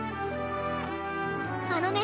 あのね